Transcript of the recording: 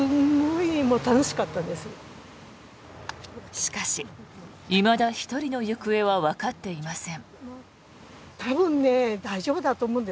しかし、いまだ１人の行方はわかっていません。